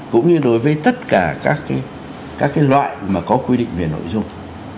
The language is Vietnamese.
cũng như đối với tất cả các loại mà có quy định về nội dung